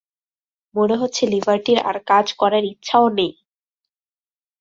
মনে হচ্ছে লিভারটির আর কাজ করার ইচ্ছাও নেই।